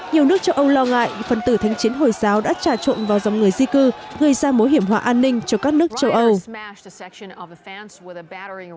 nhiều nước châu âu lo ngại phần tử thánh chiến hồi giáo đã trà trộn vào dòng người di cư gây ra mối hiểm họa an ninh cho các nước châu âu